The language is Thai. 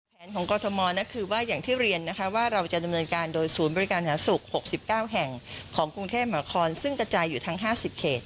ของกรทมคือว่าอย่างที่เรียนนะคะว่าเราจะดำเนินการโดยศูนย์บริการหาศุกร์๖๙แห่งของกรุงเทพมหานครซึ่งกระจายอยู่ทั้ง๕๐เขต